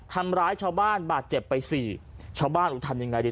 ทำร้ายชาวบ้านบาดเจ็บไปสี่ชาวบ้านทำยังไงดี